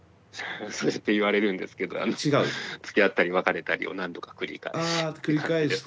そうやって言われるんですけどつきあったり別れたりを何度か繰り返し。